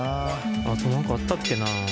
あと何かあったっけな？